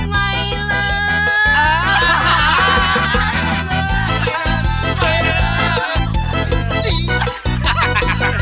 ไม่เลิก